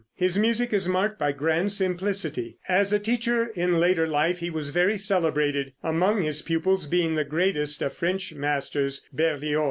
His music is marked by grand simplicity. As a teacher in later life he was very celebrated, among his pupils being the greatest of French masters, Berlioz.